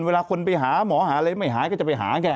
เวลาคนไปหาหมอหาอะไรไม่หายก็จะไปหาแก